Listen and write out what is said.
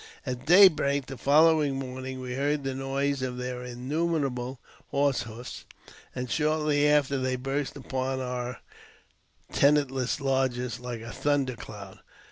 At daybreak the following morning we heard the noise of their innumerable horse hoofs, and shortly after they burst upon our tenantless lodges like a thunder cloud.